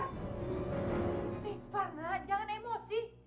stik farna jangan emosi